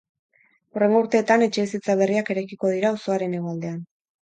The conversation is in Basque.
Hurrengo urteetan, etxebizitza berriak eraikiko dira auzoaren hegoaldean.